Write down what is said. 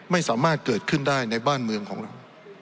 ไม่สามารถเกิดขึ้นได้ในบ้านเมืองของเรา